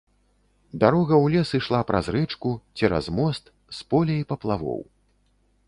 Дарога ў лес ішла праз рэчку, цераз мост, з поля і паплавоў.